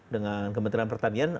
dengan kementerian pertanian